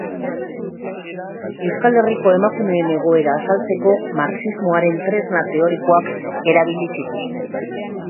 Euskal Herriko emakumeen egoera azaltzeko Marxismoaren tresna teorikoak erabili zituzten.